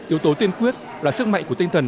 yếu tố tiên quyết là sức mạnh của tinh thần